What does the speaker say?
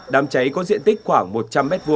đám cháy có diện tích khoảng một trăm linh m hai